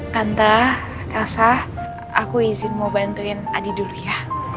tante rasa aku izin mau bantuin adi dulu ya